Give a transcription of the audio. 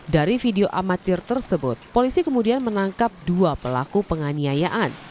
dari video amatir tersebut polisi kemudian menangkap dua pelaku penganiayaan